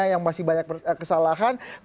yang masih banyak kesalahan